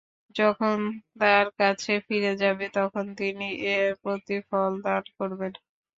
যখন তাঁর কাছে ফিরে যাবে, তখন তিনি এর প্রতিফল দান করবেন।